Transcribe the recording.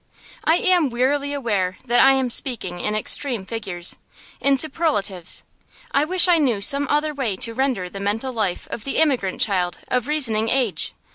I am wearily aware that I am speaking in extreme figures, in superlatives. I wish I knew some other way to render the mental life of the immigrant child of reasoning age.